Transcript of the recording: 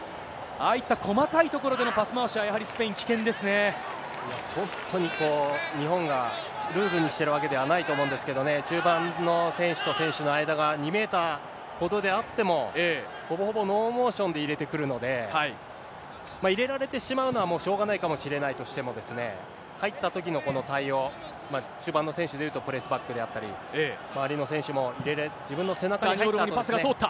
ああいった細かいところでのパス回しは、やはりスペイン、危険でいや、本当に日本がルーズにしてるわけではないと思うんですけどね、中盤の選手と選手の間が２メーターほどであっても、ほぼほぼノーモーションで入れてくるので、入れられてしまうのはしょうがないかもしれないとしてもですね、入ったときのこの対応、中盤の選手でいうとプレースバックであったり、周りの選手も、パスが通った。